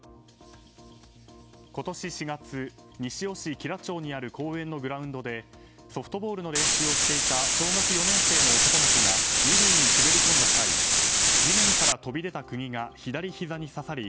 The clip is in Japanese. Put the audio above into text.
今年４月、西尾市吉良町にある公園のグラウンドでソフトボールの練習をしていた小学４年生の男の子が２塁に滑り込んだ際地面から飛び出た釘が左ひざに刺さり